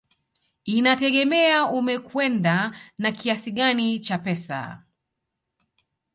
Inategemea umekwenda na kiasi gani cha pesa